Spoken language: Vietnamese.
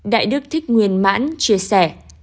đại đức thích nguyên mãn chia sẻ